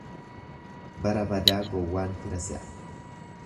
Bara badaa gowwaan fira se'a.